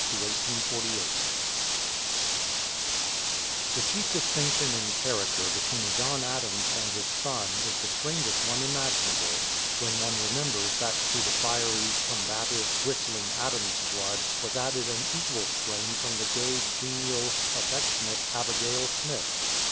JOHN QUINCY ADAMS (1767 1848) The chief distinction in character between John Adams and his son is the strangest one imaginable, when one remembers that to the fiery, combative, bristling Adams blood was added an equal strain from the gay, genial, affectionate Abigail Smith.